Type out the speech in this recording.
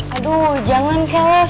aduh jangan kelas